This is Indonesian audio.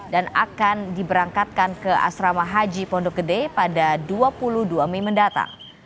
dan akan diberangkatkan ke asrama haji pondok gede pada dua puluh dua mei mendatang